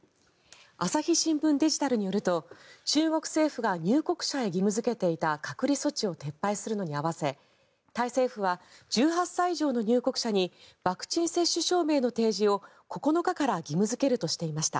朝日新聞デジタルによると中国政府が入国者へ義務付けていた隔離措置を撤廃するのに合わせタイ政府は１８歳以上の入国者にワクチン接種証明の提示を９日から義務付けるとしていました。